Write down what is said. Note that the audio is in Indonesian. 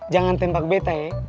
jangan tembak betta ya